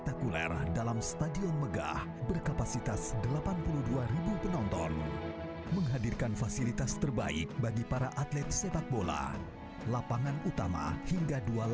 aku berdarah di ujung gemisah ini isyaku lebut lakumu